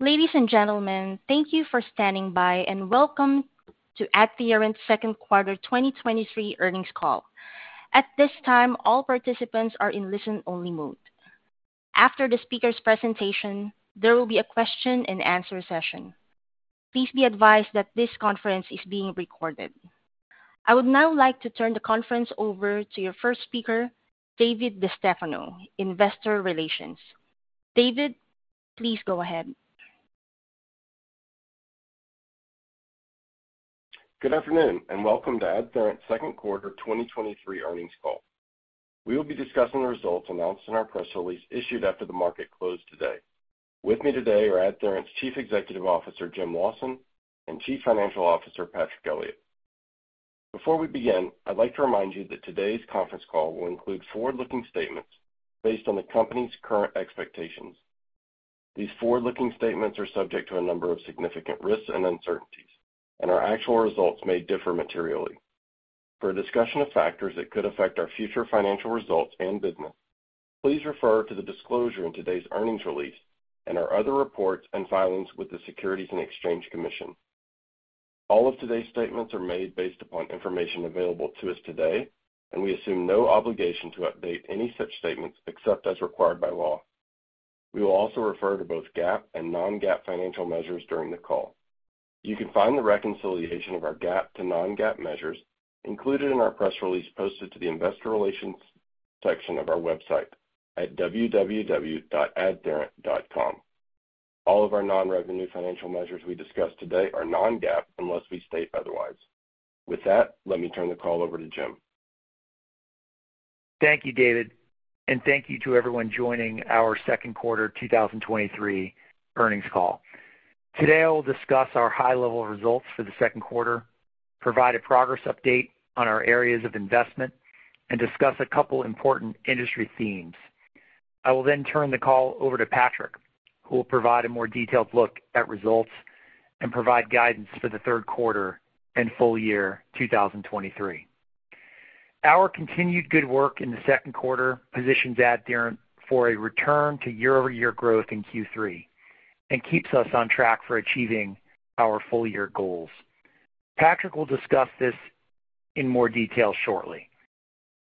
Ladies and gentlemen, thank you for standing by, and welcome to AdTheorent's second quarter 2023 earnings call. At this time, all participants are in listen-only mode. After the speaker's presentation, there will be a Q&A session. Please be advised that this conference is being recorded. I would now like to turn the conference over to your first speaker, David DeStefano, Investor Relations. David, please go ahead. Good afternoon, and welcome to AdTheorent's second quarter 2023 earnings call. We will be discussing the results announced in our press release issued after the market closed today. With me today are AdTheorent's Chief Executive Officer, Jim Lawson, and Chief Financial Officer, Patrick Elliott. Before we begin, I'd like to remind you that today's conference call will include forward-looking statements based on the company's current expectations. These forward-looking statements are subject to a number of significant risks and uncertainties, and our actual results may differ materially. For a discussion of factors that could affect our future financial results and business, please refer to the disclosure in today's earnings release and our other reports and filings with the Securities and Exchange Commission. All of today's statements are made based upon information available to us today, and we assume no obligation to update any such statements except as required by law. We will also refer to both GAAP and non-GAAP financial measures during the call. You can find the reconciliation of our GAAP to non-GAAP measures included in our press release posted to the Investor Relations section of our website at www.adtheorent.com. All of our non-revenue financial measures we discuss today are non-GAAP unless we state otherwise. With that, let me turn the call over to Jim. Thank you, David, and thank you to everyone joining our second quarter 2023 earnings call. Today, I will discuss our high-level results for the second quarter, provide a progress update on our areas of investment, and discuss a couple important industry themes. I will turn the call over to Patrick, who will provide a more detailed look at results and provide guidance for the third quarter and full year 2023. Our continued good work in the second quarter positions AdTheorent for a return to year-over-year growth in Q3 and keeps us on track for achieving our full-year goals. Patrick will discuss this in more detail shortly.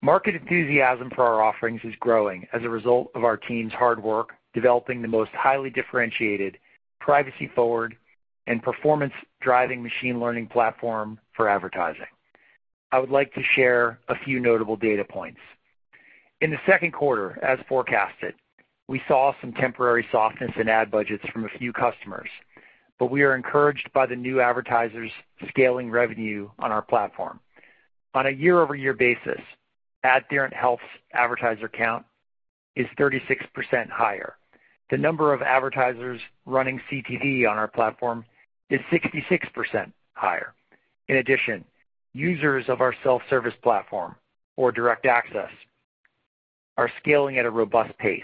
Market enthusiasm for our offerings is growing as a result of our team's hard work, developing the most highly differentiated, privacy-forward, and performance-driving machine learning platform for advertising. I would like to share a few notable data points. In the second quarter, as forecasted, we saw some temporary softness in ad budgets from a few customers, but we are encouraged by the new advertisers scaling revenue on our platform. On a year-over-year basis, AdTheorent Health's advertiser count is 36% higher. The number of advertisers running CTV on our platform is 66% higher. In addition, users of our self-service platform or direct access are scaling at a robust pace.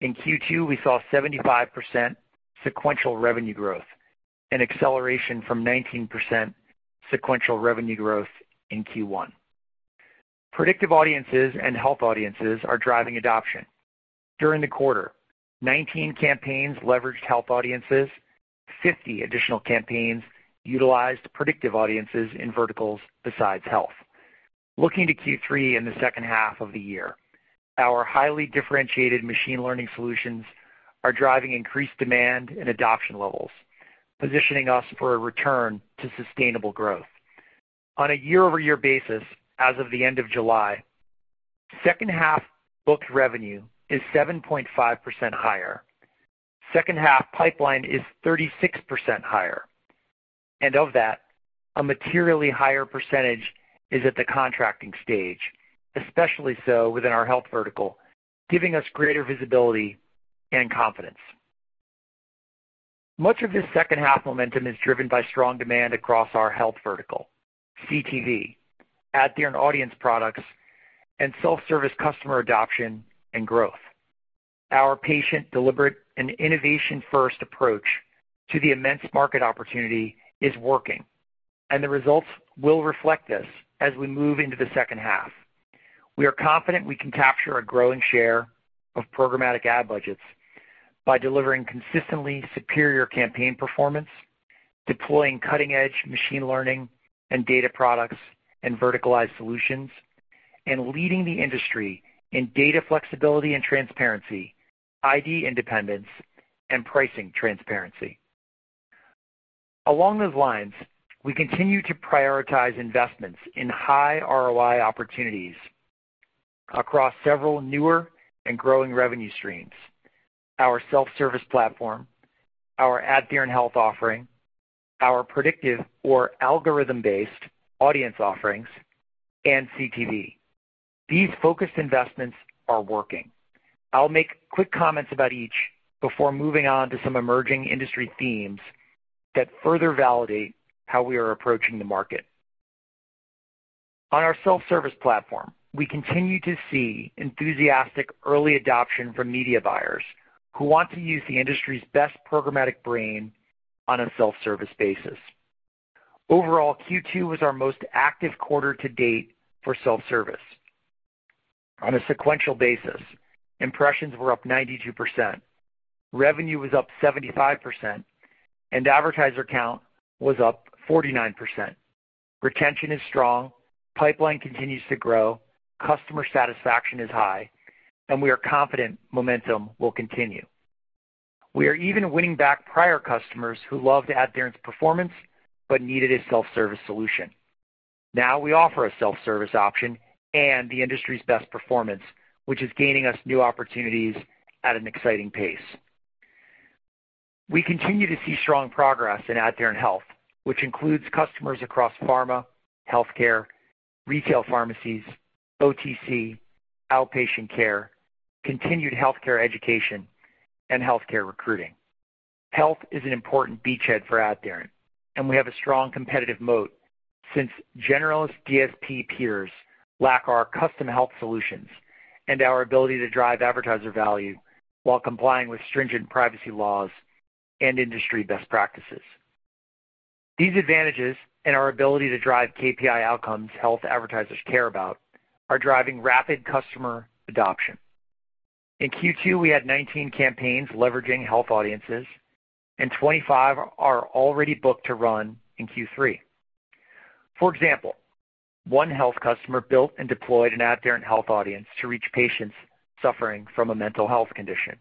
In Q2, we saw 75% sequential revenue growth, an acceleration from 19% sequential revenue growth in Q1. Predictive audiences and health audiences are driving adoption. During the quarter, 19 campaigns leveraged health audiences. 50 additional campaigns utilized predictive audiences in verticals besides health. Looking to Q3 in the second half of the year, our highly differentiated machine learning solutions are driving increased demand and adoption levels, positioning us for a return to sustainable growth. On a year-over-year basis, as of the end of July, second half booked revenue is 7.5% higher. Second half pipeline is 36% higher, and of that, a materially higher percentage is at the contracting stage, especially so within our health vertical, giving us greater visibility and confidence. Much of this second half momentum is driven by strong demand across our health vertical, CTV, AdTheorent audience products, and self-service customer adoption and growth. Our patient deliberate and innovation-first approach to the immense market opportunity is working, and the results will reflect this as we move into the second half. We are confident we can capture a growing share of programmatic ad budgets by delivering consistently superior campaign performance, deploying cutting-edge machine learning and data products and verticalized solutions, and leading the industry in data flexibility and transparency, ID-independents, and pricing transparency. Along those lines, we continue to prioritize investments in high ROI opportunities across several newer and growing revenue streams: our self-service platform, our AdTheorent Health offering, our predictive or algorithm-based audience offerings, and CTV. These focused investments are working. I'll make quick comments about each before moving on to some emerging industry themes that further validate how we are approaching the market. On our self-service platform, we continue to see enthusiastic early adoption from media buyers who want to use the industry's best programmatic brain on a self-service basis. Overall, Q2 was our most active quarter to date for self-service. On a sequential basis, impressions were up 92%, revenue was up 75%, and advertiser count was up 49%. Retention is strong, pipeline continues to grow, customer satisfaction is high, and we are confident momentum will continue. We are even winning back prior customers who loved AdTheorent's performance, but needed a self-service solution. Now, we offer a self-service option and the industry's best performance, which is gaining us new opportunities at an exciting pace. We continue to see strong progress in AdTheorent Health, which includes customers across pharma, healthcare, retail pharmacies, OTC, outpatient care, continued healthcare education, and healthcare recruiting. Health is an important beachhead for AdTheorent, and we have a strong competitive moat since generalist DSP peers lack our custom health solutions and our ability to drive advertiser value while complying with stringent privacy laws and industry best practices. These advantages, and our ability to drive KPI outcomes health advertisers care about, are driving rapid customer adoption. In Q2, we had 19 campaigns leveraging health audiences, and 25 are already booked to run in Q3. For example, one health customer built and deployed an AdTheorent Health Audience to reach patients suffering from a mental health condition.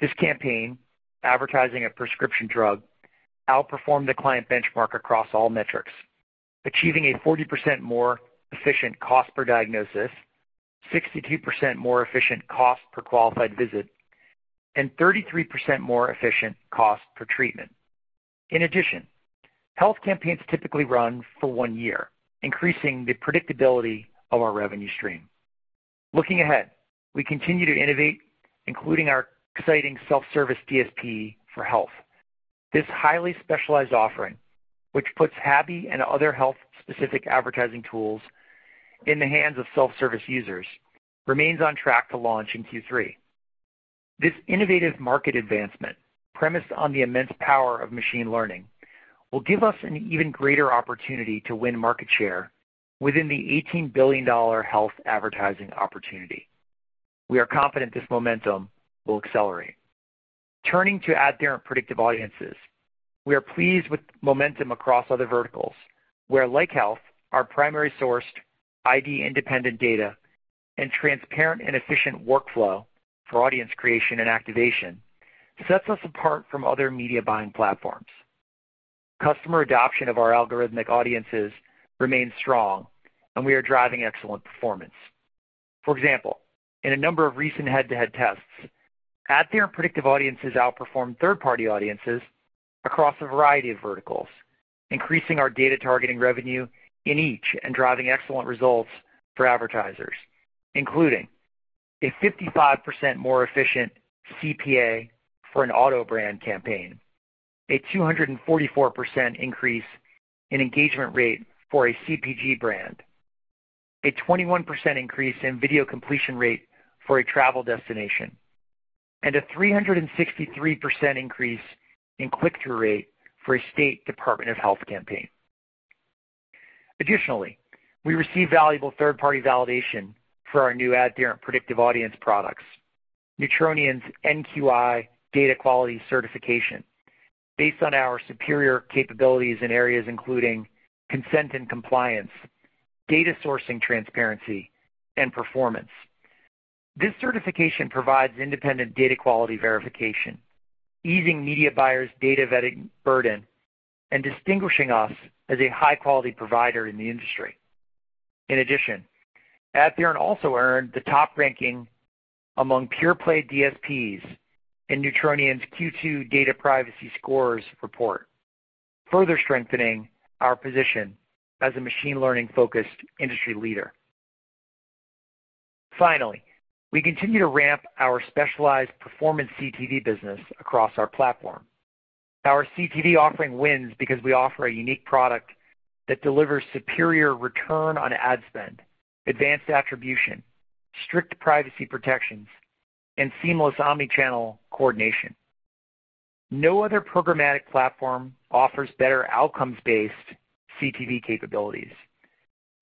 This campaign, advertising a prescription drug, outperformed the client benchmark across all metrics, achieving a 40% more efficient cost per diagnosis, 62% more efficient cost per qualified visit, and 33% more efficient cost per treatment. In addition, health campaigns typically run for one year, increasing the predictability of our revenue stream. Looking ahead, we continue to innovate, including our exciting self-service DSP for Health. This highly specialized offering, which puts HABi and other health-specific advertising tools in the hands of self-service users, remains on track to launch in Q3. This innovative market advancement, premised on the immense power of machine learning, will give us an even greater opportunity to win market share within the $18 billion health advertising opportunity. We are confident this momentum will accelerate. Turning to AdTheorent Predictive Audiences, we are pleased with momentum across other verticals, where, like health, our primary sourced, ID-independent data and transparent and efficient workflow for audience creation and activation sets us apart from other media buying platforms. Customer adoption of our algorithmic audiences remains strong, and we are driving excellent performance. For example, in a number of recent head-to-head tests, AdTheorent Predictive Audiences outperformed third-party audiences across a variety of verticals, increasing our data targeting revenue in each and driving excellent results for advertisers, including a 55% more efficient CPA for an auto brand campaign, a 244% increase in engagement rate for a CPG brand, a 21% increase in video completion rate for a travel destination, and a 363% increase in click-through rate for a state department of health campaign. Additionally, we received valuable third-party validation for our new AdTheorent Predictive Audience products, Neutronian's NQI Data Quality certification, based on our superior capabilities in areas including consent and compliance, data sourcing, transparency, and performance. This certification provides independent data quality verification, easing media buyers' data vetting burden and distinguishing us as a high-quality provider in the industry. In addition, AdTheorent also earned the top ranking among pure-play DSPs in Neutronian's Q2 Data Privacy Scores report, further strengthening our position as a machine learning-focused industry leader. Finally, we continue to ramp our specialized performance CTV business across our platform. Our CTV offering wins because we offer a unique product that delivers superior return on ad spend, advanced attribution, strict privacy protections, and seamless omni-channel coordination. No other programmatic platform offers better outcomes-based CTV capabilities.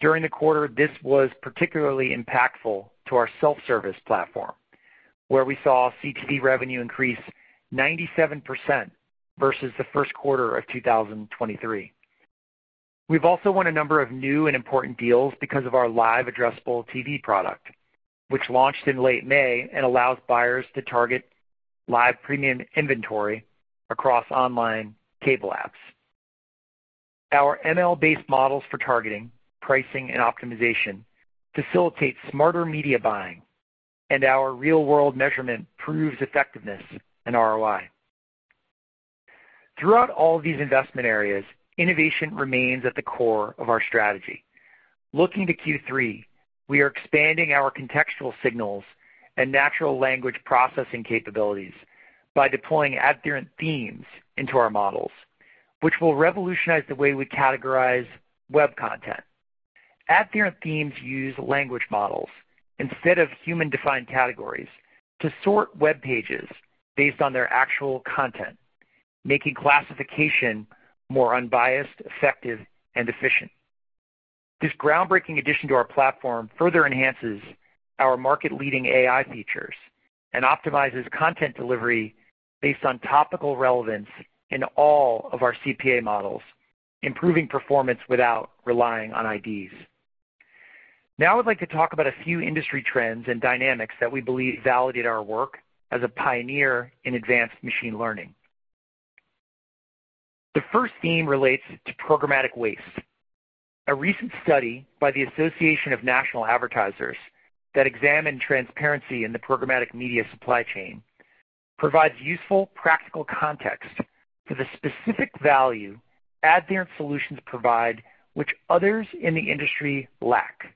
During the quarter, this was particularly impactful to our self-service platform, where we saw CTV revenue increase 97% versus the first quarter of 2023. We've also won a number of new and important deals because of our live addressable TV product, which launched in late May and allows buyers to target live premium inventory across online cable apps. Our ML-based models for targeting, pricing, and optimization facilitate smarter media buying, and our real-world measurement proves effectiveness and ROI. Throughout all these investment areas, innovation remains at the core of our strategy. Looking to Q3, we are expanding our contextual signals and natural language processing capabilities by deploying AdTheorent themes into our models, which will revolutionize the way we categorize web content. AdTheorent themes use language models instead of human-defined categories to sort web pages based on their actual content making classification more unbiased, effective, and efficient. This groundbreaking addition to our platform further enhances our market-leading AI features and optimizes content delivery based on topical relevance in all of our CPA models, improving performance without relying on IDs. Now, I'd like to talk about a few industry trends and dynamics that we believe validate our work as a pioneer in advanced machine learning. The first theme relates to programmatic waste. A recent study by the Association of National Advertisers that examined transparency in the programmatic media supply chain provides useful, practical context for the specific value AdTheorent solutions provide, which others in the industry lack.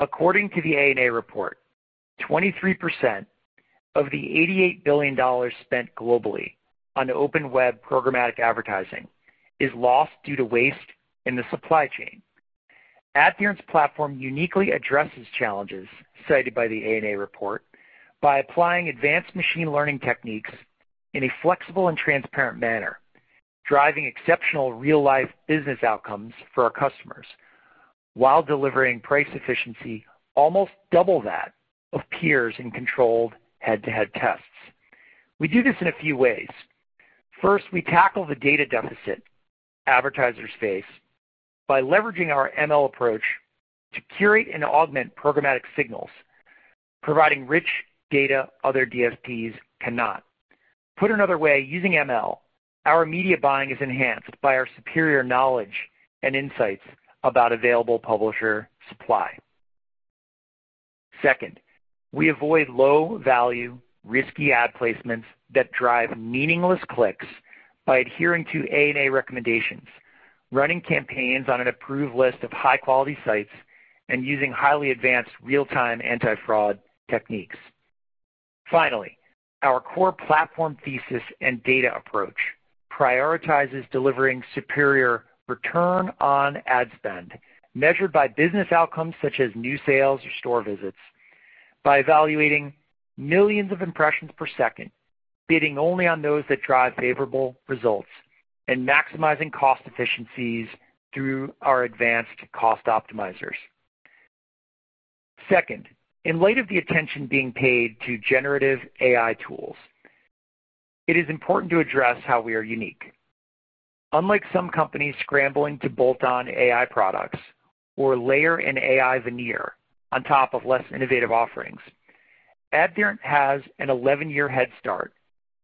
According to the ANA report, 23% of the $88 billion spent globally on open web programmatic advertising is lost due to waste in the supply chain. AdTheorent's platform uniquely addresses challenges cited by the ANA report by applying advanced machine learning techniques in a flexible and transparent manner, driving exceptional real-life business outcomes for our customers while delivering price efficiency almost double that of peers in controlled head-to-head tests. We do this in a few ways. First, we tackle the data deficit advertisers face by leveraging our ML approach to curate and augment programmatic signals, providing rich data other DSPs cannot. Put another way, using ML, our media buying is enhanced by our superior knowledge and insights about available publisher supply. Second, we avoid low-value, risky ad placements that drive meaningless clicks by adhering to ANA recommendations, running campaigns on an approved list of high-quality sites, and using highly advanced real-time anti-fraud techniques. Finally, our core platform thesis and data approach prioritizes delivering superior return on ad spend, measured by business outcomes such as new sales or store visits, by evaluating millions of impressions per second, bidding only on those that drive favorable results, and maximizing cost efficiencies through our advanced cost optimizers. Second, in light of the attention being paid to generative AI tools, it is important to address how we are unique. Unlike some companies scrambling to bolt on AI products or layer an AI veneer on top of less innovative offerings, AdTheorent has an 11-year head start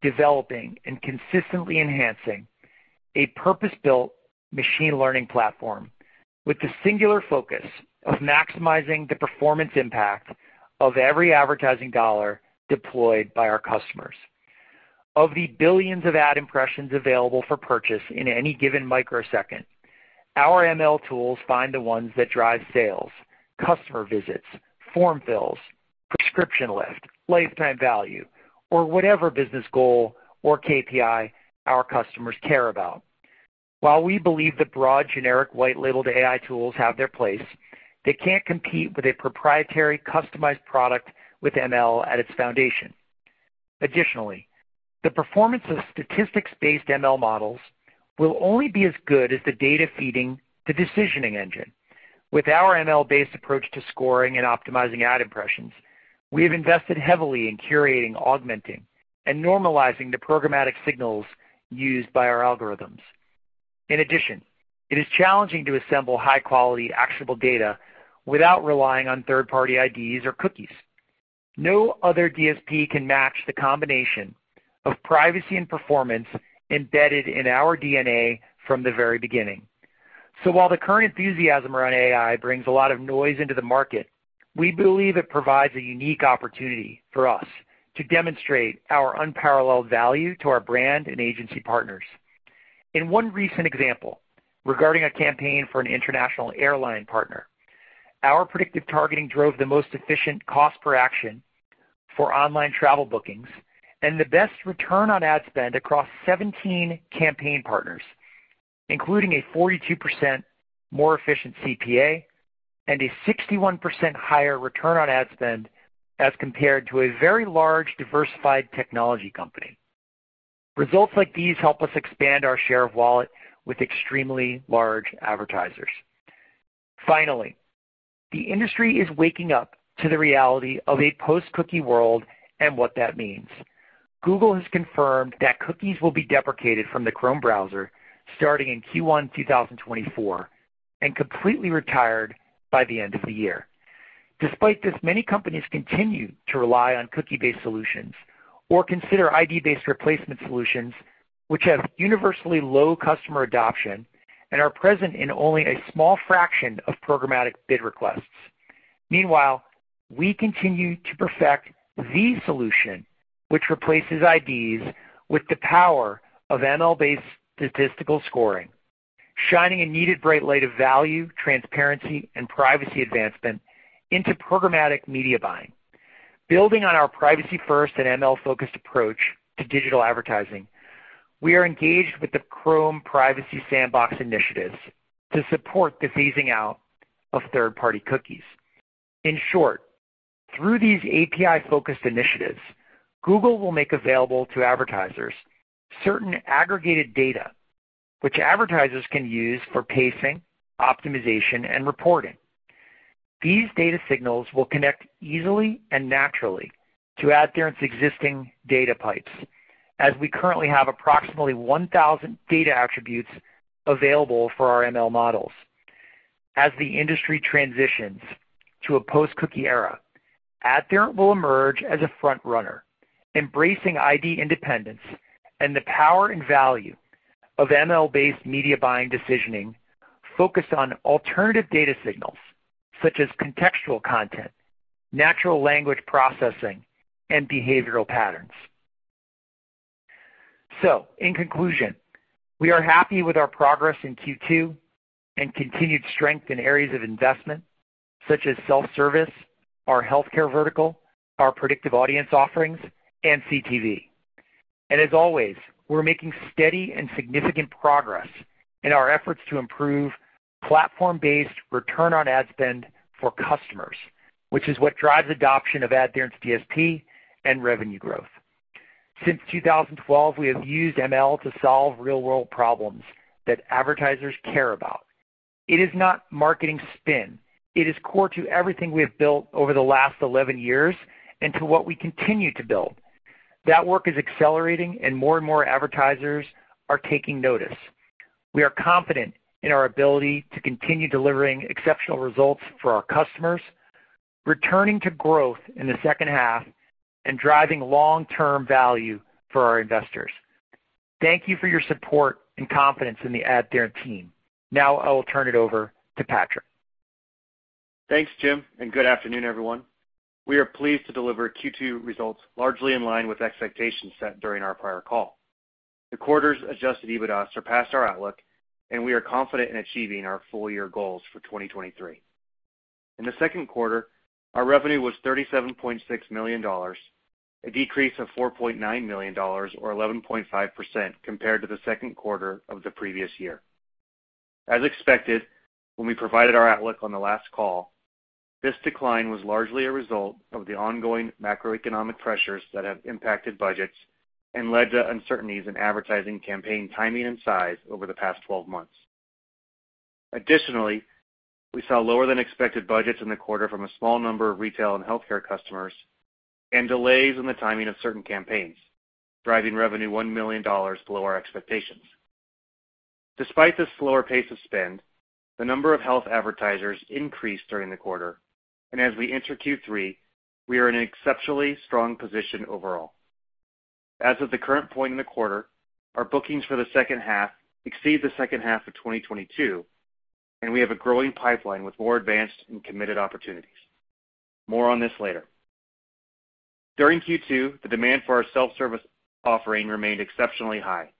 developing and consistently enhancing a purpose-built machine learning platform with the singular focus of maximizing the performance impact of every advertising dollar deployed by our customers. Of the billions of ad impressions available for purchase in any given microsecond, our ML tools find the ones that drive sales, customer visits, form fills, prescription list, lifetime value, or whatever business goal or KPI our customers care about. While we believe that broad, generic, white-labeled AI tools have their place, they can't compete with a proprietary, customized product with ML at its foundation. Additionally, the performance of statistics-based ML models will only be as good as the data feeding the decisioning engine. With our ML-based approach to scoring and optimizing ad impressions, we have invested heavily in curating, augmenting, and normalizing the programmatic signals used by our algorithms. In addition, it is challenging to assemble high-quality, actionable data without relying on third-party IDs or cookies. No other DSP can match the combination of privacy and performance embedded in our DNA from the very beginning. While the current enthusiasm around AI brings a lot of noise into the market, we believe it provides a unique opportunity for us to demonstrate our unparalleled value to our brand and agency partners. In one recent example, regarding a campaign for an international airline partner, our predictive targeting drove the most efficient cost per action for online travel bookings and the best return on ad spend across 17 campaign partners, including a 42% more efficient CPA and a 61% higher return on ad spend as compared to a very large, diversified technology company. Results like these help us expand our share of wallet with extremely large advertisers. Finally, the industry is waking up to the reality of a post-cookie world and what that means. Google has confirmed that cookies will be deprecated from the Chrome browser starting in Q1 2024 and completely retired by the end of the year. Despite this, many companies continue to rely on cookie-based solutions or consider ID-based replacement solutions, which have universally low customer adoption and are present in only a small fraction of programmatic bid requests. Meanwhile, we continue to perfect the solution, which replaces IDs with the power of ML-based statistical scoring, shining a needed bright light of value, transparency, and privacy advancement into programmatic media buying. Building on our privacy first and ML-focused approach to digital advertising, we are engaged with the Chrome Privacy Sandbox initiatives to support the phasing out of third-party cookies. In short. Through these API-focused initiatives, Google will make available to advertisers certain aggregated data which advertisers can use for pacing, optimization, and reporting. These data signals will connect easily and naturally to AdTheorent's existing data pipes, as we currently have approximately 1,000 data attributes available for our ML models. As the industry transitions to a post-cookie era, AdTheorent will emerge as a front runner, embracing ID independents and the power and value of ML-based media buying decisioning, focused on alternative data signals such as contextual content, natural language processing, and behavioral patterns. In conclusion, we are happy with our progress in Q2 and continued strength in areas of investment such as self-service, our healthcare vertical, our predictive audience offerings, and CTV. As always, we're making steady and significant progress in our efforts to improve platform-based return on ad spend for customers, which is what drives adoption of AdTheorent's DSP and revenue growth. Since 2012, we have used ML to solve real-world problems that advertisers care about. It is not marketing spin. It is core to everything we have built over the last 11 years and to what we continue to build. That work is accelerating, and more and more advertisers are taking notice. We are confident in our ability to continue delivering exceptional results for our customers, returning to growth in the second half, and driving long-term value for our investors. Thank you for your support and confidence in the AdTheorent team. Now I will turn it over to Patrick. Thanks, Jim. Good afternoon, everyone. We are pleased to deliver Q2 results largely in line with expectations set during our prior call. The quarter's adjusted EBITDA surpassed our outlook, and we are confident in achieving our full year goals for 2023. In the second quarter, our revenue was $37.6 million, a decrease of $4.9 million or 11.5% compared to the second quarter of the previous year. As expected, when we provided our outlook on the last call, this decline was largely a result of the ongoing macroeconomic pressures that have impacted budgets and led to uncertainties in advertising campaign timing and size over the past 12 months. Additionally, we saw lower than expected budgets in the quarter from a small number of retail and healthcare customers and delays in the timing of certain campaigns, driving revenue $1 million below our expectations. Despite this slower pace of spend, the number of health advertisers increased during the quarter, and as we enter Q3, we are in an exceptionally strong position overall. As of the current point in the quarter, our bookings for the second half exceed the second half of 2022, and we have a growing pipeline with more advanced and committed opportunities. More on this later. During Q2, the demand for our self-service offering remained exceptionally high.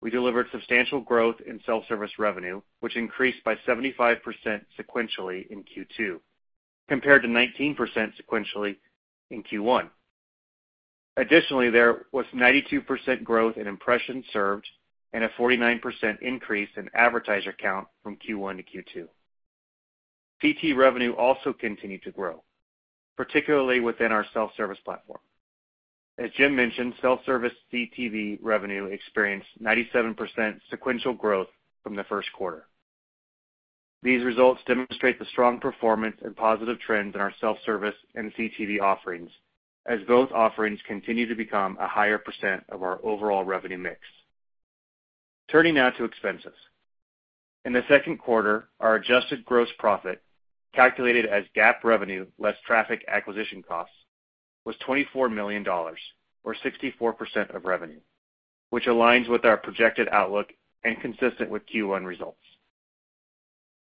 We delivered substantial growth in self-service revenue, which increased by 75% sequentially in Q2, compared to 19% sequentially in Q1. Additionally, there was 92% growth in impressions served and a 49% increase in advertiser count from Q1 to Q2. CTV revenue also continued to grow, particularly within our self-service platform. As Jim mentioned, self-service CTV revenue experienced 97% sequential growth from the first quarter. These results demonstrate the strong performance and positive trends in our self-service and CTV offerings, as both offerings continue to become a higher percent of our overall revenue mix. Turning now to expenses. In the second quarter, our adjusted gross profit, calculated as GAAP revenue less traffic acquisition costs, was $24 million, or 64% of revenue, which aligns with our projected outlook and consistent with Q1 results.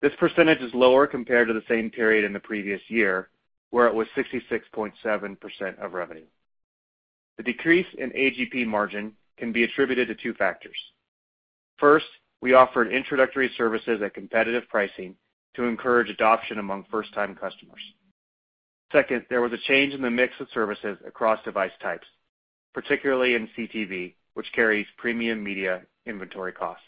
This percentage is lower compared to the same period in the previous year, where it was 66.7% of revenue. The decrease in AGP margin can be attributed to two factors. First, we offered introductory services at competitive pricing to encourage adoption among first-time customers. Second, there was a change in the mix of services across device types, particularly in CTV, which carries premium media inventory costs.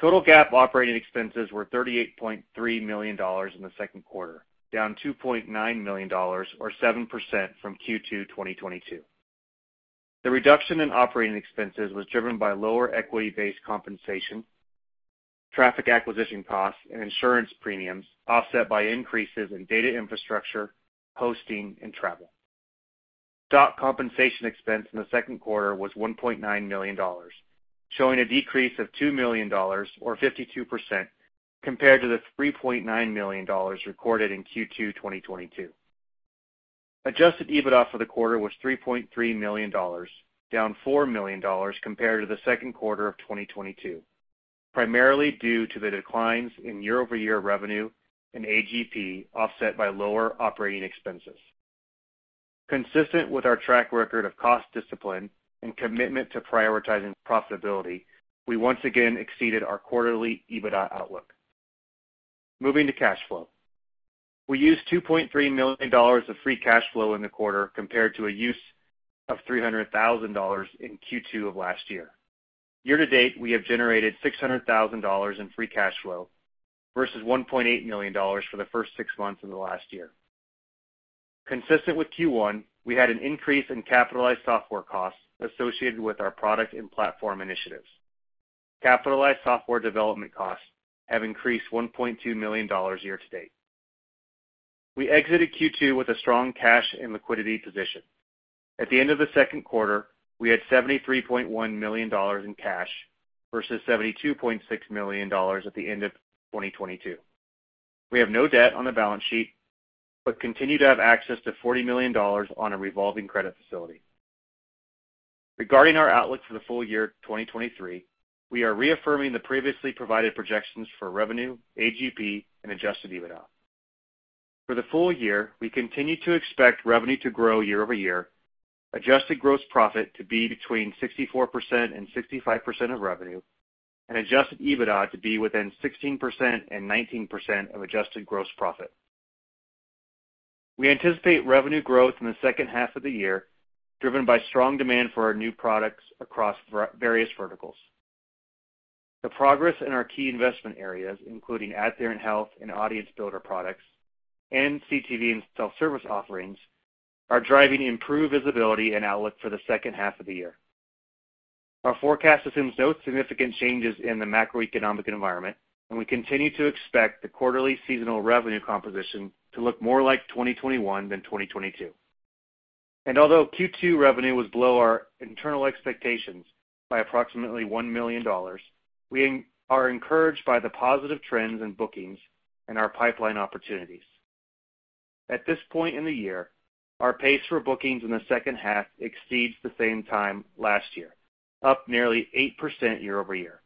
Total GAAP operating expenses were $38.3 million in the second quarter, down $2.9 million or 7% from Q2 2022. The reduction in operating expenses was driven by lower equity-based compensation, traffic acquisition costs, and insurance premiums, offset by increases in data infrastructure, hosting, and travel. Stock compensation expense in the second quarter was $1.9 million, showing a decrease of $2 million or 52% compared to the $3.9 million recorded in Q2 2022. Adjusted EBITDA for the quarter was $3.3 million, down $4 million compared to the second quarter of 2022, primarily due to the declines in year-over-year revenue and AGP, offset by lower operating expenses. Consistent with our track record of cost discipline and commitment to prioritizing profitability, we once again exceeded our quarterly EBITDA outlook. Moving to cash flow. We used $2.3 million of free cash flow in the quarter, compared to a use of $300,000 in Q2 of last year. Year-to-date, we have generated $600,000 in free cash flow, versus $1.8 million for the first six months in the last year. Consistent with Q1, we had an increase in capitalized software costs associated with our product and platform initiatives. Capitalized software development costs have increased $1.2 million year-to-date. We exited Q2 with a strong cash and liquidity position. At the end of the second quarter, we had $73.1 million in cash versus $72.6 million at the end of 2022. We have no debt on the balance sheet, but continue to have access to $40 million on a revolving credit facility. Regarding our outlook for the full year 2023, we are reaffirming the previously provided projections for revenue, AGP, and adjusted EBITDA. For the full year, we continue to expect revenue to grow year-over-year, adjusted gross profit to be between 64% and 65% of revenue, and adjusted EBITDA to be within 16% and 19% of adjusted gross profit. We anticipate revenue growth in the second half of the year, driven by strong demand for our new products across various verticals. The progress in our key investment areas, including AdTheorent Health and Audience Builder products, and CTV and self-service offerings, are driving improved visibility and outlook for the second half of the year. Our forecast assumes no significant changes in the macroeconomic environment, we continue to expect the quarterly seasonal revenue composition to look more like 2021 than 2022. Although Q2 revenue was below our internal expectations by approximately $1 million, we are encouraged by the positive trends in bookings and our pipeline opportunities. At this point in the year, our pace for bookings in the second half exceeds the same time last year, up nearly 8% year-over-year,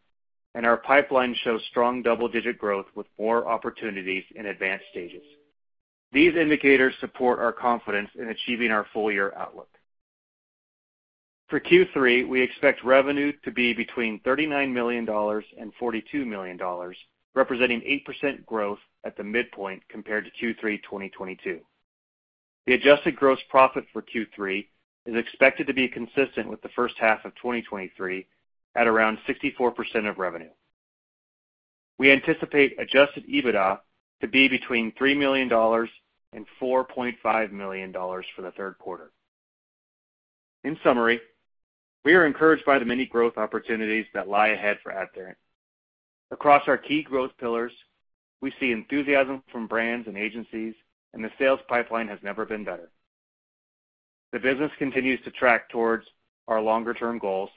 and our pipeline shows strong double-digit growth with more opportunities in advanced stages. These indicators support our confidence in achieving our full-year outlook. For Q3, we expect revenue to be between $39 million and $42 million, representing 8% growth at the midpoint compared to Q3 2022. The adjusted gross profit for Q3 is expected to be consistent with the first half of 2023, at around 64% of revenue. We anticipate adjusted EBITDA to be between $3 million and $4.5 million for the third quarter. In summary, we are encouraged by the many growth opportunities that lie ahead for AdTheorent. Across our key growth pillars, we see enthusiasm from brands and agencies, and the sales pipeline has never been better. The business continues to track towards our longer-term goals,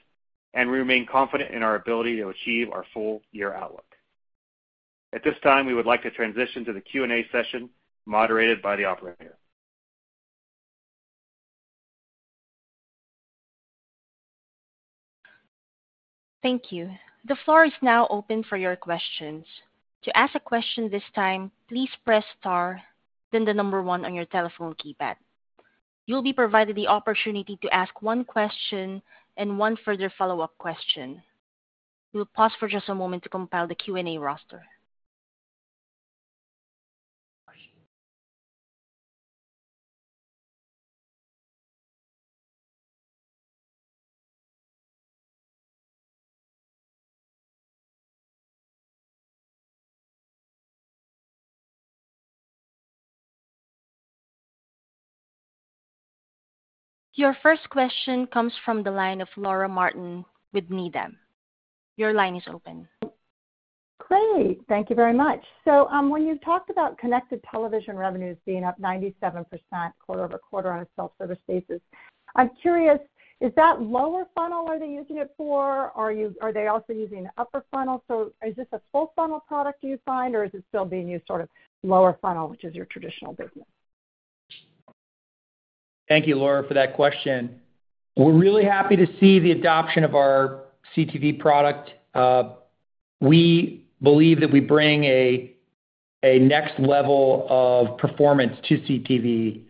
and we remain confident in our ability to achieve our full-year outlook. At this time, we would like to transition to the Q&A session moderated by the operator. Thank you. The floor is now open for your questions. To ask a question this time, please press star, then the number one on your telephone keypad. You'll be provided the opportunity to ask one question and one further follow-up question. We'll pause for just a moment to compile the Q&A roster. Your first question comes from the line of Laura Martin with Needham. Your line is open. Great. Thank you very much. When you talked about connected television revenues being up 97% quarter-over-quarter on a self-service basis, I'm curious, is that lower funnel are they using it for? Are they also using upper funnel? Is this a full funnel product you find, or is it still being used sort of lower funnel, which is your traditional business? Thank you, Laura, for that question. We're really happy to see the adoption of our CTV product. We believe that we bring a, a next level of performance to CTV,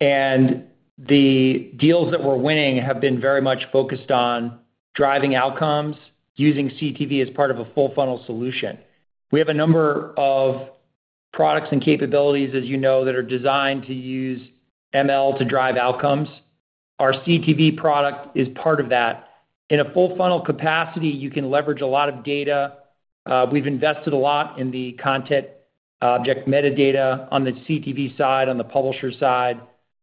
and the deals that we're winning have been very much focused on driving outcomes using CTV as part of a full funnel solution. We have a number of products and capabilities, as you know, that are designed to use ML to drive outcomes. Our CTV product is part of that. In a full funnel capacity, you can leverage a lot of data. We've invested a lot in the content object metadata on the CTV side, on the publisher side,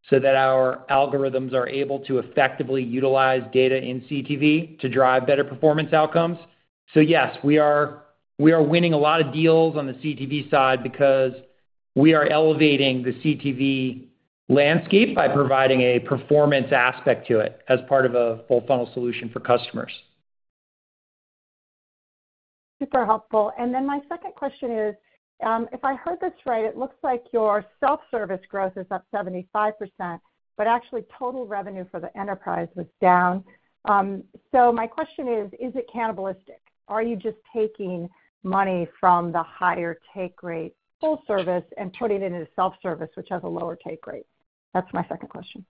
so that our algorithms are able to effectively utilize data in CTV to drive better performance outcomes. Yes, we are, we are winning a lot of deals on the CTV side because we are elevating the CTV landscape by providing a performance aspect to it as part of a full funnel solution for customers. Super helpful. My second question is, if I heard this right, it looks like your self-service growth is up 75%, but actually total revenue for the enterprise was down. My question is, is it cannibalistic? Are you just taking money from the higher take rate full service and putting it into self-service, which has a lower take rate? That's my second question.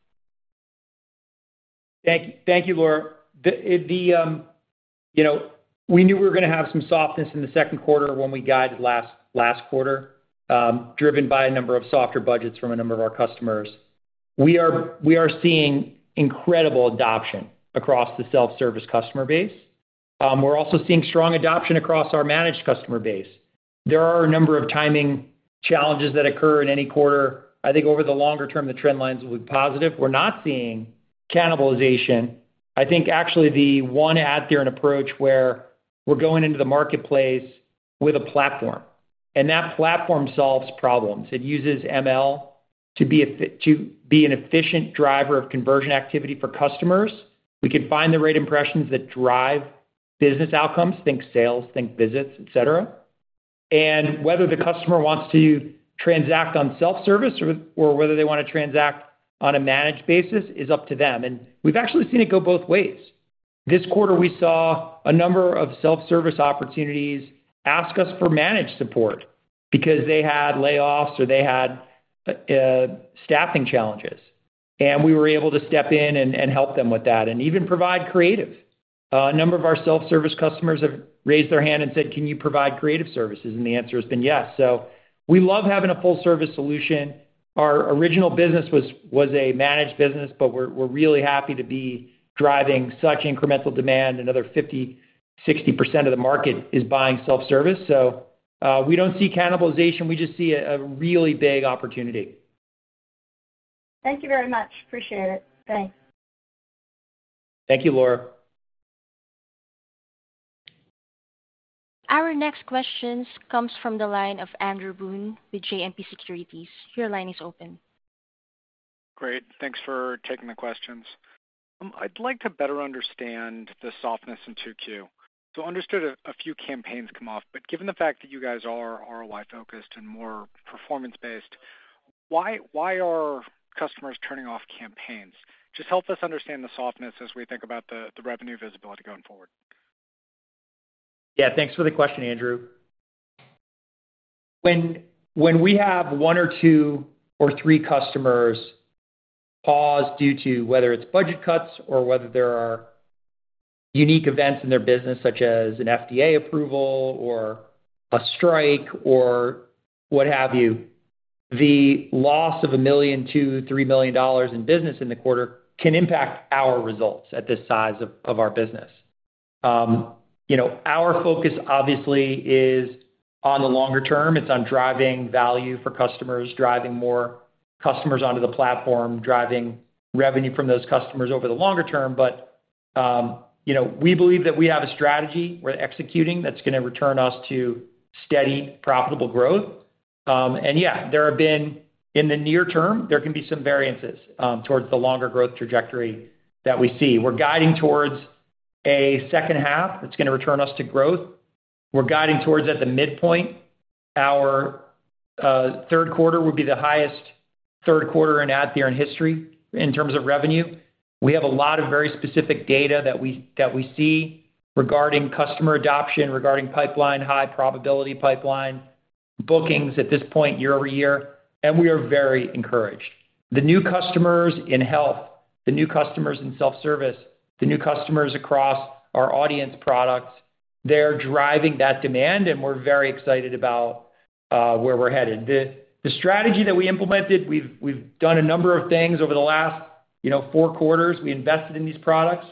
Thank you. Thank you, Laura. You know, we knew we were going to have some softness in the second quarter when we guided last, last quarter, driven by a number of softer budgets from a number of our customers. We are, we are seeing incredible adoption across the self-service customer base. We're also seeing strong adoption across our managed customer base. There are a number of timing challenges that occur in any quarter. I think over the longer term, the trend lines will be positive. We're not seeing cannibalization. I think actually the one AdTheorent approach, where we're going into the marketplace with a platform, and that platform solves problems. It uses ML to be an efficient driver of conversion activity for customers. We can find the right impressions that drive business outcomes, think sales, think visits, et cetera. Whether the customer wants to transact on self-service or whether they want to transact on a managed basis is up to them, and we've actually seen it go both ways. This quarter, we saw a number of self-service opportunities ask us for managed support because they had layoffs or they had staffing challenges, and we were able to step in and help them with that, and even provide creative. A number of our self-service customers have raised their hand and said: "Can you provide creative services?" The answer has been yes. We love having a full-service solution. Our original business was a managed business, but we're really happy to be driving such incremental demand. Another 50%, 60% of the market is buying self-service, we don't see cannibalization. We just see a really big opportunity. Thank you very much. Appreciate it. Thanks. Thank you, Laura. Our next questions comes from the line of Andrew Boone with JMP Securities. Your line is open. Great. Thanks for taking the questions. I'd like to better understand the softness in 2Q. Understood a, a few campaigns come off, but given the fact that you guys are ROI-focused and more performance-based, why, why are customers turning off campaigns? Just help us understand the softness as we think about the, the revenue visibility going forward. Yeah, thanks for the question, Andrew. When we have one or two or three customers pause due to whether it's budget cuts or whether there are unique events in their business, such as an FDA approval or a strike or what have you, the loss of $1 million-$3 million in business in the quarter can impact our results at this size of, of our business. You know, our focus obviously is on the longer term. It's on driving value for customers, driving more customers onto the platform, driving revenue from those customers over the longer term. You know, we believe that we have a strategy we're executing that's gonna return us to steady, profitable growth. Yeah, there have been, in the near term, there can be some variances towards the longer growth trajectory that we see. We're guiding towards a second half that's gonna return us to growth. We're guiding towards, at the midpoint, our third quarter will be the highest third quarter in AdTheorent history in terms of revenue. We have a lot of very specific data that we, that we see regarding customer adoption, regarding pipeline, high probability pipeline, bookings at this point, year-over-year, and we are very encouraged. The new customers in health, the new customers in self-service, the new customers across our audience products, they're driving that demand, and we're very excited about where we're headed. The strategy that we implemented, we've done a number of things over the last, you know, four quarters. We invested in these products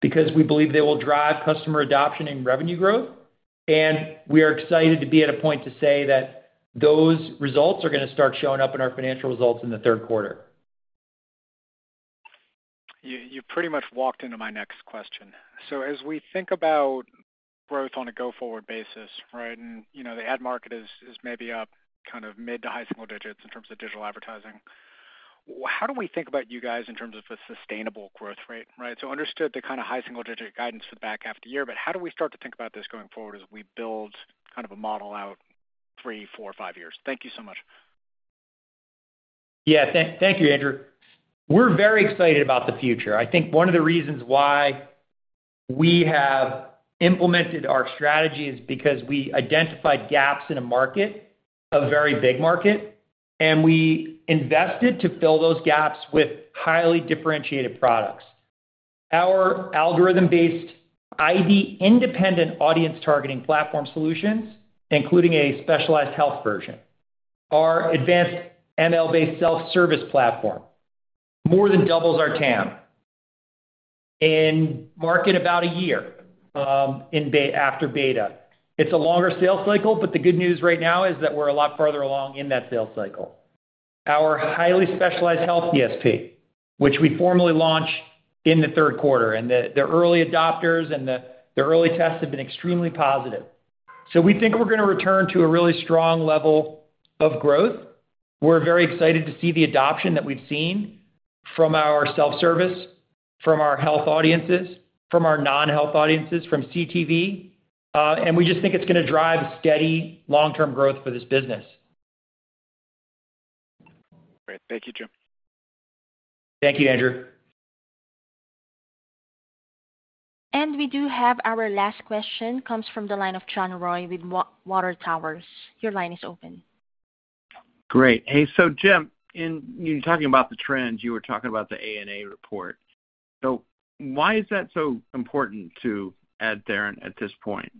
because we believe they will drive customer adoption and revenue growth, and we are excited to be at a point to say that those results are gonna start showing up in our financial results in the third quarter. You, you pretty much walked into my next question. As we think about growth on a go-forward basis, right, and, you know, the ad market is, is maybe up kind of mid to high single digits in terms of digital advertising. How do we think about you guys in terms of a sustainable growth rate? Understood the kind of high single-digit guidance for the back half of the year, but how do we start to think about this going forward as we build kind of a model out three, four, five years? Thank you so much. Yeah. Thank, thank you, Andrew. We're very excited about the future. I think one of the reasons why we have implemented our strategy is because we identified gaps in a market, a very big market, and we invested to fill those gaps with highly differentiated products. Our algorithm-based, ID-independent audience targeting platform solutions, including a specialized health version, our advanced ML-based self-service platform, more than doubles our TAM in market about a year after beta. It's a longer sales cycle, but the good news right now is that we're a lot farther along in that sales cycle. Our highly specialized health DSP, which we formally launch in the third quarter, and the, the early adopters and the, the early tests have been extremely positive. We think we're gonna return to a really strong level of growth. We're very excited to see the adoption that we've seen from our self-service, from our health audiences, from our non-health audiences, from CTV, and we just think it's gonna drive steady long-term growth for this business. Great. Thank you, Jim. Thank you, Andrew. We do have our last question, comes from the line of John Roy with Water Tower. Your line is open. Great. Hey, so Jim, in you talking about the trends, you were talking about the ANA report. Why is that so important to AdTheorent at this point?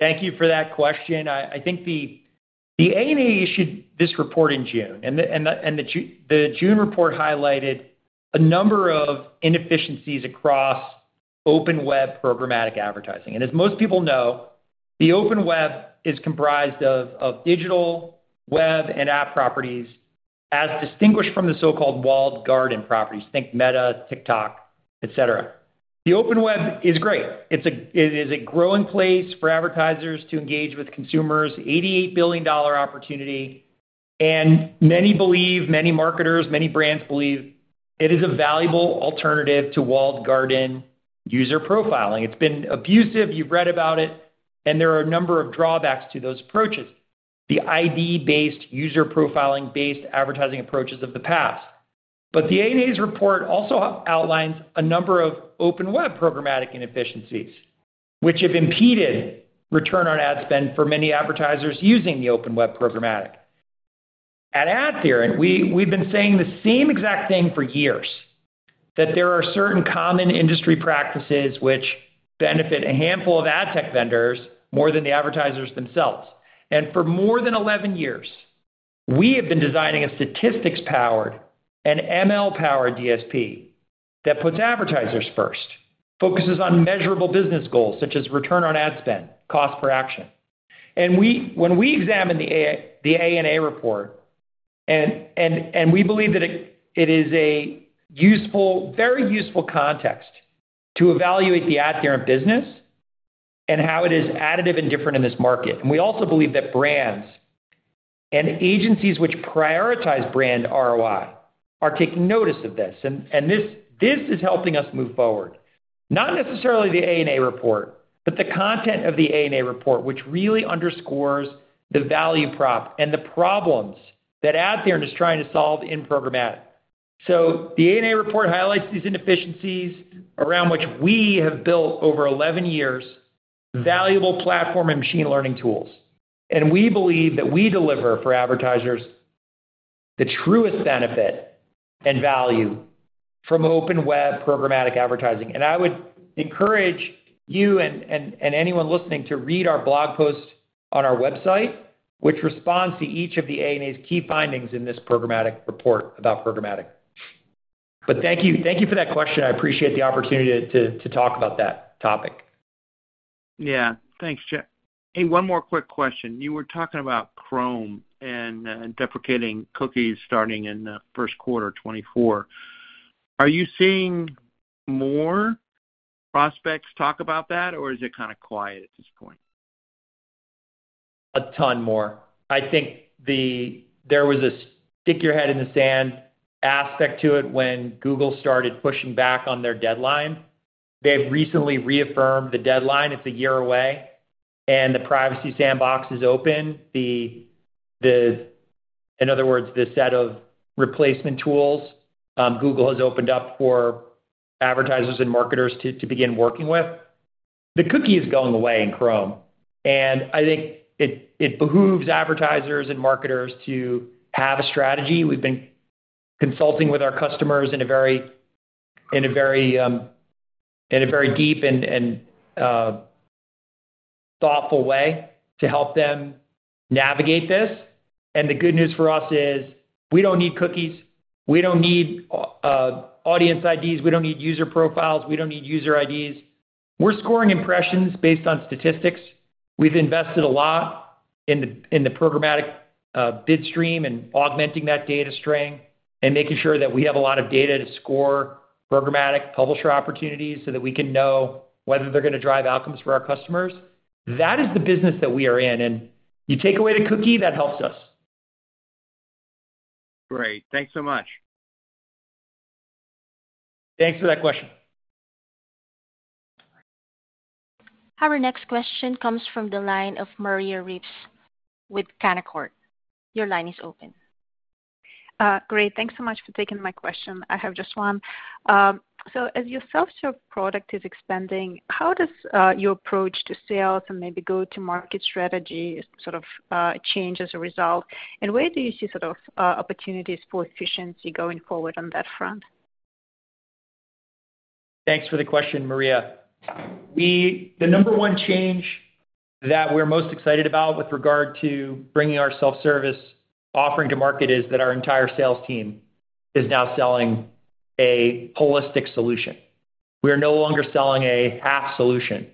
Thank you for that question. I think the ANA issued this report in June, and the June report highlighted a number of inefficiencies across open web programmatic advertising. As most people know, the open web is comprised of, of digital, web, and app properties, as distinguished from the so-called walled garden properties. Think Meta, TikTok, et cetera. The open web is great. It is a growing place for advertisers to engage with consumers, $88 billion opportunity. Many believe, many marketers, many brands believe it is a valuable alternative to walled garden user profiling. It's been abusive, you've read about it, and there are a number of drawbacks to those approaches, the ID-based, user profiling-based advertising approaches of the past. The ANA's report also outlines a number of open web programmatic inefficiencies, which have impeded return on ad spend for many advertisers using the open web programmatic. At AdTheorent, we've been saying the same exact thing for years, that there are certain common industry practices which benefit a handful of ad tech vendors more than the advertisers themselves. For more than 11 years, we have been designing a statistics-powered and ML-powered DSP that puts advertisers first. Focuses on measurable business goals, such as return on ad spend, cost per action. When we examine the ANA report, and we believe that it is a useful, very useful context to evaluate the AdTheorent business and how it is additive and different in this market. We also believe that brands and agencies which prioritize brand ROI are taking notice of this, and this is helping us move forward. Not necessarily the ANA report, but the content of the ANA report, which really underscores the value prop and the problems that AdTheorent is trying to solve in programmatic. The ANA report highlights these inefficiencies around which we have built, over 11 years, valuable platform and machine learning tools. We believe that we deliver for advertisers the truest benefit and value from open web programmatic advertising. I would encourage you and anyone listening to read our blog post on our website, which responds to each of the ANA's key findings in this programmatic report about programmatic. Thank you. Thank you for that question. I appreciate the opportunity to talk about that topic. Yeah. Thanks, Jim. Hey, one more quick question. You were talking about Chrome and deprecating cookies starting in first quarter 2024. Are you seeing more prospects talk about that, or is it kinda quiet at this point? A ton more. There was a stick-your-head-in-the-sand aspect to it when Google started pushing back on their deadline. They've recently reaffirmed the deadline. It's a year away, and the Privacy Sandbox is open. In other words, the set of replacement tools, Google has opened up for advertisers and marketers to begin working with. The cookie is going away in Chrome, and I think it behooves advertisers and marketers to have a strategy. We've been consulting with our customers in a very deep and thoughtful way to help them navigate this. The good news for us is we don't need cookies. We don't need audience IDs, we don't need user profiles, we don't need user IDs. We're scoring impressions based on statistics. We've invested a lot in the, in the programmatic bid stream and augmenting that data string and making sure that we have a lot of data to score programmatic publisher opportunities, so that we can know whether they're gonna drive outcomes for our customers. That is the business that we are in, and you take away the cookie, that helps us. Great. Thanks so much. Thanks for that question. Our next question comes from the line of Maria Ripps with Canaccord. Your line is open. Great. Thanks so much for taking my question. I have just one. As your self-serve product is expanding, how does your approach to sales and maybe go-to-market strategy sort of change as a result? Where do you see sort of opportunities for efficiency going forward on that front? Thanks for the question, Maria. The number one change that we're most excited about with regard to bringing our self-service offering to market, is that our entire sales team is now selling a holistic solution. We are no longer selling a half solution.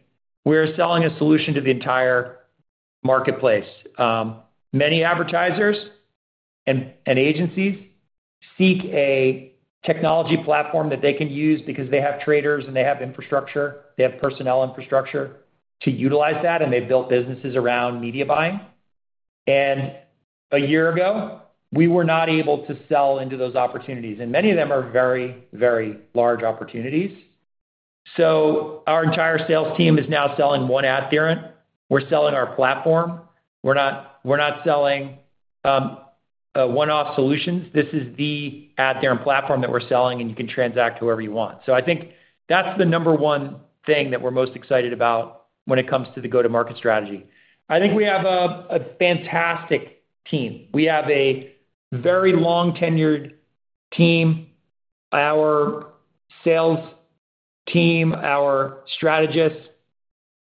We are selling a solution to the entire marketplace. Many advertisers and agencies seek a technology platform that they can use because they have traders, and they have infrastructure. They have personnel infrastructure to utilize that, and they've built businesses around media buying. A year ago, we were not able to sell into those opportunities, and many of them are very, very large opportunities. Our entire sales team is now selling one AdTheorent. We're selling our platform. We're not, we're not selling a one-off solution. This is the AdTheorent platform that we're selling, and you can transact whoever you want. I think that's the number one thing that we're most excited about when it comes to the go-to-market strategy. I think we have a fantastic team. We have a very long-tenured team. Our sales team, our strategists,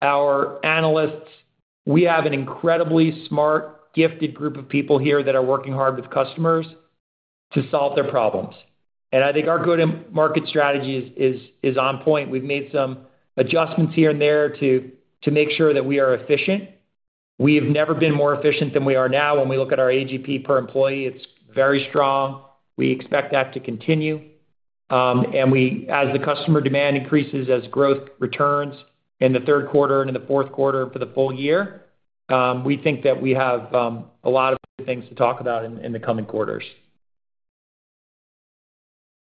our analysts, we have an incredibly smart, gifted group of people here that are working hard with customers to solve their problems. I think our go-to-market strategy is on point. We've made some adjustments here and there to make sure that we are efficient. We have never been more efficient than we are now. When we look at our AGP per employee, it's very strong. We expect that to continue. As the customer demand increases, as growth returns in the third quarter and in the fourth quarter for the full year, we think that we have a lot of good things to talk about in, in the coming quarters.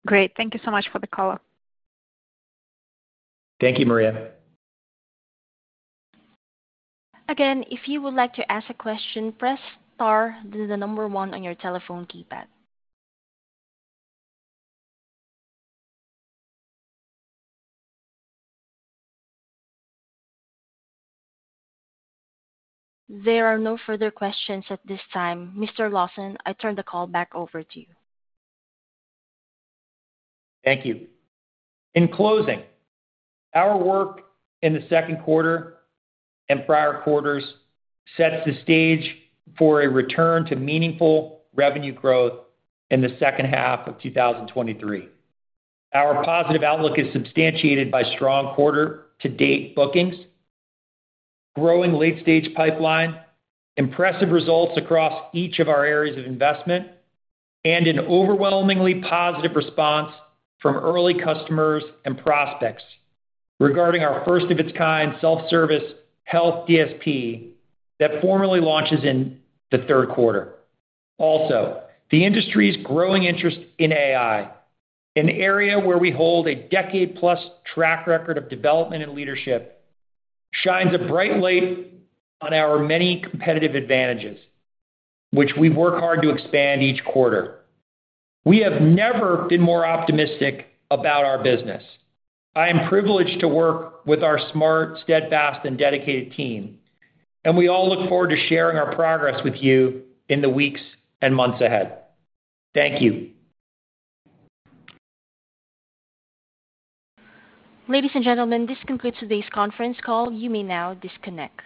Great. Thank you so much for the color. Thank you, Maria. Again, if you would like to ask a question, press star, then the number one on your telephone keypad. There are no further questions at this time. Mr. Lawson, I turn the call back over to you. Thank you. In closing, our work in the second quarter and prior quarters sets the stage for a return to meaningful revenue growth in the second half of 2023. Our positive outlook is substantiated by strong quarter-to-date bookings, growing late-stage pipeline, impressive results across each of our areas of investment, and an overwhelmingly positive response from early customers and prospects regarding our first-of-its-kind self-service health DSP that formally launches in the third quarter. The industry's growing interest in AI, an area where we hold a decade plus track record of development and leadership, shines a bright light on our many competitive advantages, which we work hard to expand each quarter. We have never been more optimistic about our business. I am privileged to work with our smart, steadfast, and dedicated team, and we all look forward to sharing our progress with you in the weeks and months ahead. Thank you. Ladies and gentlemen, this concludes today's conference call. You may now disconnect.